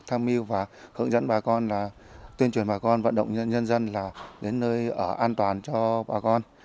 hướng dẫn bà con là tuyên truyền bà con vận động nhân dân là đến nơi ở an toàn cho bà con